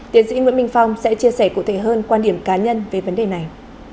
tiến sĩ nguyễn minh phong sẽ chia sẻ cụ thể hơn quan điểm cá nhân về vấn đề này